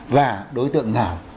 và đối tượng nào